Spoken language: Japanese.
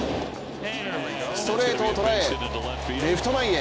ストレートを捉え、レフト前へ。